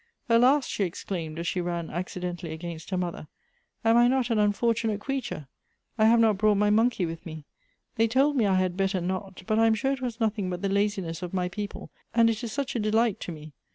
"Alas!" she ex claimed, as she ran accidentally against her mother, " am I not an unfortunate creature ? I have not brought my monkey with me. They told me I had better not ; but I am sure it was nothing but the. laziness of my people, and it is such a delight to me.